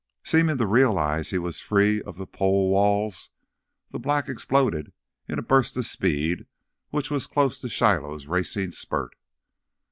Seeming to realize he was free of the pole walls, the black exploded in a burst of speed which was close to Shiloh's racing spurt.